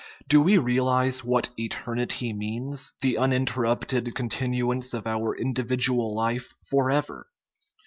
Do we realize what " eternity " means? the uninterrupted continuance of our individual life forever!